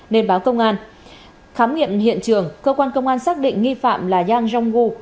nên báo công an khám nghiệm hiện trường cơ quan công an xác định nghi phạm là yang rongru